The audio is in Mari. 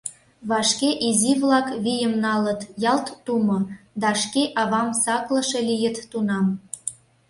Вашке изи-влак вийым налыт — ялт тумо — да шке авам саклыше лийыт тунам.